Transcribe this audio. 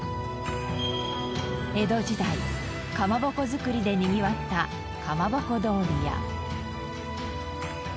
江戸時代かまぼこ作りでにぎわったかまぼこ通りや。